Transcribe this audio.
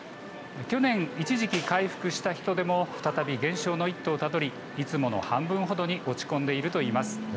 去年、一時期回復した人出も再び減少の一途をたどりいつもの半分ほどに落ち込んでいるといいます。